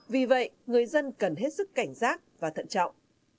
vì vậy người dân cần hết sức cảnh giác và thận trọng